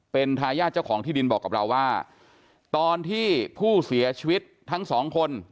เป็นทายาทเจ้าของที่ดินบอกกับเราว่าตอนที่ผู้เสียชีวิตทั้งสองคน